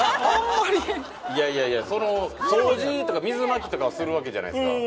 いやいや掃除とか水まきとかはするわけじゃないですか。